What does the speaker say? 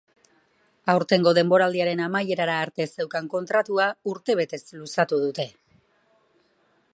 Aurtengo denboraldiaren amaierara arte zeukan kontratua urtebetez luzatu dute.